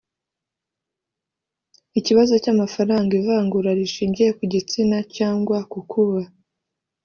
ikibazo cy amafaranga ivangura rishingiye ku gitsina cyangwa ku kuba